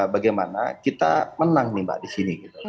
bagaimana kita menang nih mbak di sini